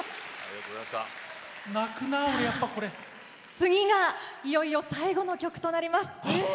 次がいよいよ最後の曲となります。